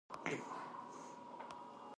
غاښونه بې له فشار مه برس کوئ.